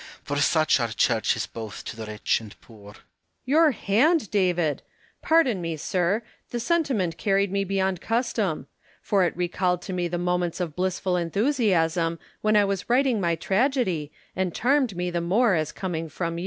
For such are churches both to the rich and poor. Home. Your hand, David ! Pardon me, sir : the senti ment carried me beyond custom ; for it recalled to me the moments of blissful enthusiasm when I was writing my tragedy, and charmed me the more as coming from you.